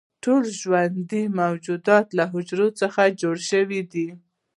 ټول ژوندي موجودات له حجرو څخه جوړ شوي دي